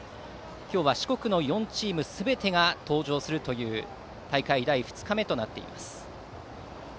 今日は四国のチームすべてが登場するという大会２日目となっています。